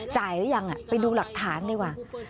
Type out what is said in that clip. หรือยังไปดูหลักฐานดีกว่า